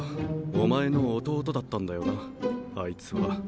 お前の弟だったんだよなあいつは。